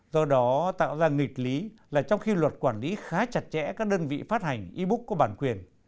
do đó tạo ra nghịch lý là trong khi luật quản lý khá chặt chẽ các đơn vị phát hành e book có bản quyền